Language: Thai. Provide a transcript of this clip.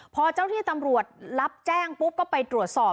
พอเจ้าที่ตำรวจรับแจ้งปุ๊บก็ไปตรวจสอบ